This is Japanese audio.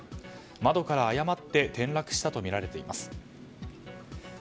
窓から誤って転落したとみられています。